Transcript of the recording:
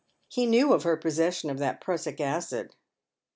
He knew of her possession of that prussic acid."